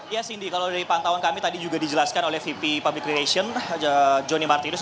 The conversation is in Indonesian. ya cindy kalau dari pantauan kami tadi juga dijelaskan oleh vp public creation johnny martinus